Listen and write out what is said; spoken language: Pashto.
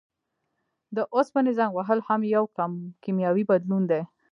د اوسپنې زنګ وهل هم یو کیمیاوي بدلون دی.